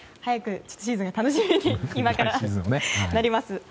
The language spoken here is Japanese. シーズンが楽しみに今から、なります。